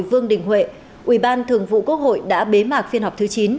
vương đình huệ ủy ban thường vụ quốc hội đã bế mạc phiên họp thứ chín